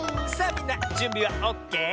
みんなじゅんびはオッケー？